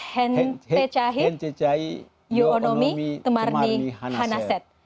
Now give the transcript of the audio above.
hentecai yonomi kemarni hanaset